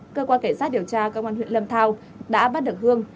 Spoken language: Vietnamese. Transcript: cơ quan cảnh sát điều tra công an huyện lâm thao đã bắt được hương